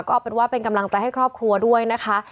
ก็เป็นว่าเป็นกำลังใจให้ครอบครัวด้วยนะคะ